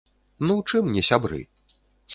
Ну чым не сябры?